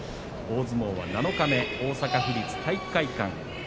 大相撲は七日目大阪府立体育会館。